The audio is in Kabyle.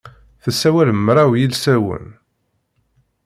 Tessawal mraw yilsawen.